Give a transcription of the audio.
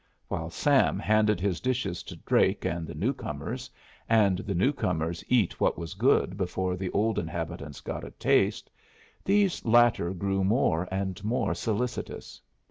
While Sam handed his dishes to Drake and the new comers, and the new comers eat what was good before the old inhabitants got a taste, these latter grew more and more solicitous.